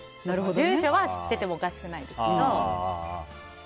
住所は知っていてもおかしくないですけど。